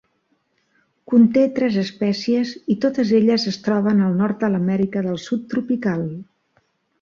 Conté tres espècies i totes elles es troben al nord de l'Amèrica del Sud tropical.